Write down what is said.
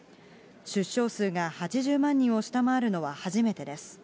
出生数が８０万人を下回るのは初めてです。